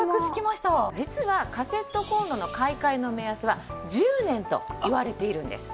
実はカセットコンロの買い替えの目安は１０年といわれているんです。